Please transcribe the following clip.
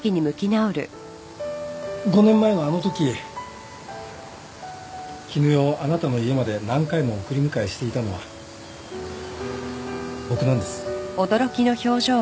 ５年前のあのとき絹代をあなたの家まで何回も送り迎えしていたのは僕なんです。